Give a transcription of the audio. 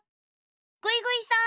ぐいぐいさん。